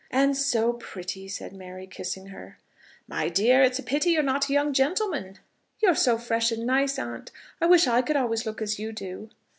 "And so pretty," said Mary, kissing her. "My dear, it's a pity you're not a young gentleman." "You are so fresh and nice, aunt. I wish I could always look as you do."